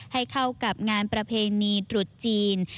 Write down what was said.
ให้เข้ากับงานประเพณีตรุษจีน